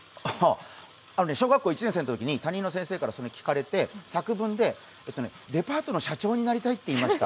小学校１年生のときに担任の先生から聞かれて、作文で、デパートの社長になりたいって言ってました。